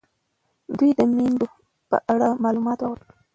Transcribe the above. دوي د میوند په اړه معلومات ورکول.